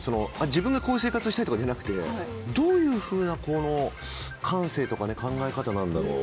自分がこういう生活をしたいとかじゃなくてどういうふうな感性とか考え方なんだろう。